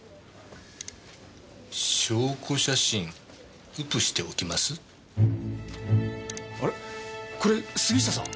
「証拠写真ウプしておきます」あれ！？これ杉下さん！